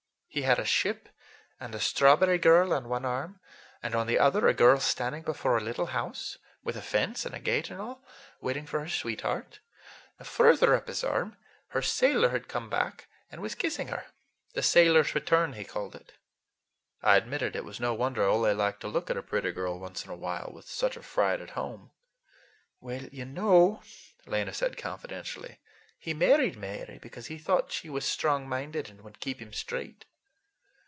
He had a ship and a strawberry girl on one arm, and on the other a girl standing before a little house, with a fence and gate and all, waiting for her sweetheart. Farther up his arm, her sailor had come back and was kissing her. 'The Sailor's Return,' he called it." I admitted it was no wonder Ole liked to look at a pretty girl once in a while, with such a fright at home. "You know," Lena said confidentially, "he married Mary because he thought she was strong minded and would keep him straight.